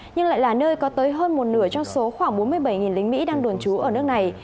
nhưng lại là nơi có tới hơn một nửa trong số khoảng bốn mươi bảy lính mỹ đang đồn trú ở nước này